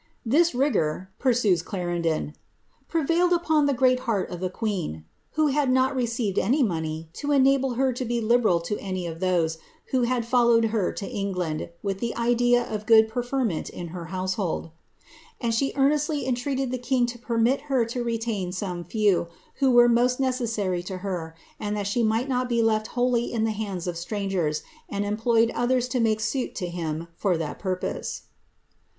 ^^This rigour," pursues Claren don, ^ prevailed upon the great heart of the queen, (who had not received any money, to enable her to be liberal to any of those, who had followed her to England, with the idea of good preferment in her housi^liold); and she earnestly entreated tlie king to permit her to retain some few, mUo were most necessary to her, and that she might not be h ft wholly in the hands of strangers, and employed others to make suit to him fur iliat purpose."